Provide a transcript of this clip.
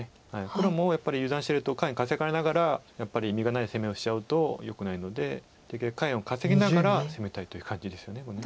黒もやっぱり油断してると下辺稼がれながらやっぱり実がない攻めをしちゃうとよくないのでできるだけ下辺を稼ぎながら攻めたいという感じです。